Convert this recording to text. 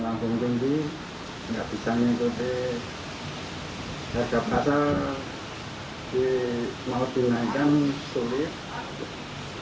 nggak bisa nih harga pasar mau dinaikkan sulit